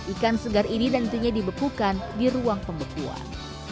ikan segar ini nantinya dibekukan di ruang pembekuan